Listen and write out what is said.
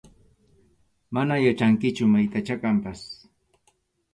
Mana yachanichu maytachá kanpas.